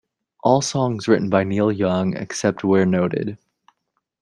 All songs written by Neil Young except where noted.